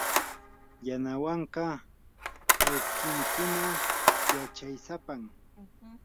yanawanka awkinkuna yachaysapam.